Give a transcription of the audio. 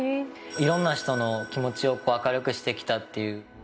いろんな人の気持ちを明るくしてきたっていう。